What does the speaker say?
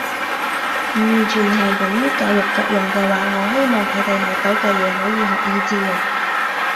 唔完全係。用於教育作用嘅話，我希望佢哋學到嘅嘢可以學以致用